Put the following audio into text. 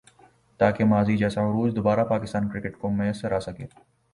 تاکہ ماضی جیسا عروج دوبارہ پاکستان کرکٹ کو میسر آ سکے